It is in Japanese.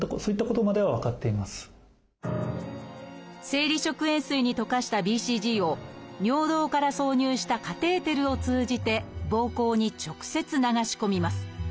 生理食塩水に溶かしたＢＣＧを尿道から挿入したカテーテルを通じて膀胱に直接流し込みます。